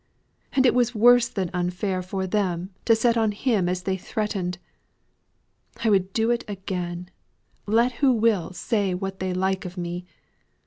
And it was worse than unfair for them to set on him as they threatened. I would do it again, let who will say what they like of me.